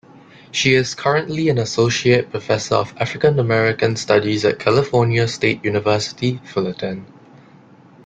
She is currently an associate professor of African-American studies at California State University, Fullerton.